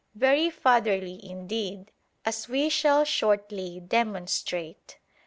Very fatherly indeed, as we shall shortly demonstrate!